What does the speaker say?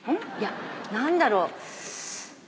何だろう。